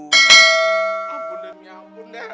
ya ampun deh ya ampun deh